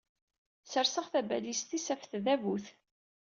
Sserseɣ tabalizt-is ɣef tdabut.